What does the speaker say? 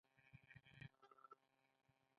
د هغه قبر په جلال اباد کې دی.